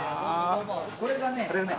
これがね